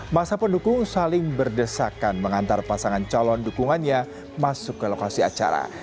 masa pendukung saling berdesakan mengantar pasangan calon dukungannya masuk ke lokasi acara